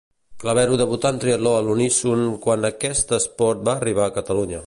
Clavero debutà en triatló a l'uníson quan aquest esport va arribar a Catalunya.